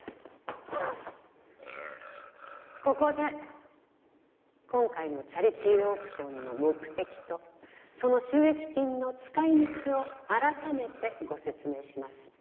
ここで今回のチャリティーオークションの目的とその収益金の使い道をあらためてご説明します。